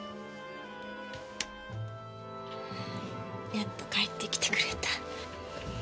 やっと帰ってきてくれた。